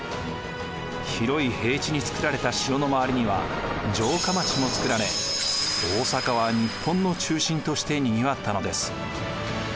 広い平地に造られた城の周りには城下町も造られ大坂は日本の中心としてにぎわったのです。